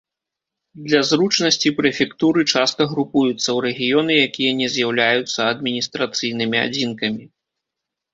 Для зручнасці прэфектуры часта групуюцца ў рэгіёны, якія не з'яўляюцца адміністрацыйнымі адзінкамі.